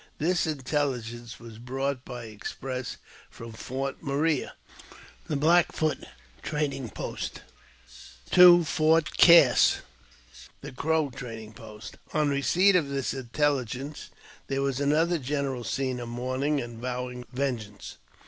This intelli gence was brought by express from Fort Maria, the Black Foot trading post, to Fort Cass, the Crow trading post. On receipt of this intelligence, there was another general scene of mourning and vowing vengeance.